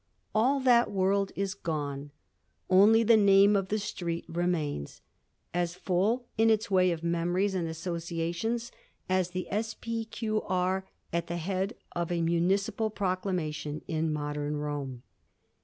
All that world is gone ; only the name of the street remains, as full in its way of memories and associations as the S.P.Q.R. at the head of a municipal proclamation in modem Rome.